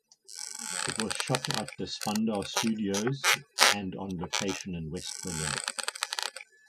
It was shot at the Spandau Studios and on location in West Berlin.